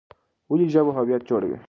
ولې ژبه هویت جوړوي؟